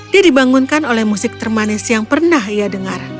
dia dibangunkan oleh musik termanis yang pernah ia dengar